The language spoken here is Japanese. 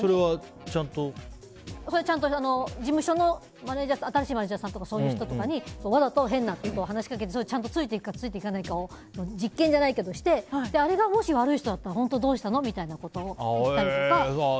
事務所の新しいマネジャーさんとかそういう人とかにわざと話しかけてちゃんとついていくかついていかないかを実験じゃないけどしてみてあれがもし悪い人だったら本当はどうしたのとか言ったりとか。